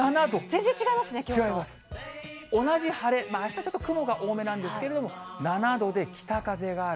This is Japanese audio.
全然違いますね、同じ晴れ、あした、ちょっと雲が多めなんですけれども、７度で北風がある。